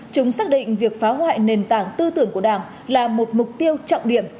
chúng xác định việc phá hoại nền tảng tư tưởng của đảng là một mục tiêu trọng điểm